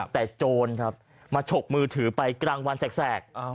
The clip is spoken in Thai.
แต่โจรครับมาฉกมือถือไปกลางวันแสก